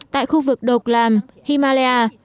tại khu vực độc lam himalaya